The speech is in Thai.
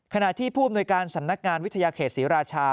ขณะที่ผู้อำนวยการสำนักงานวิทยาเขตศรีราชา